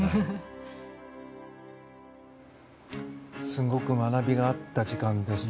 すごく学びがあった時間でした。